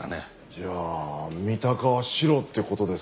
じゃあ三鷹はシロって事ですか。